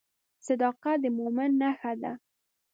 صداقت د مؤمن نښه ده.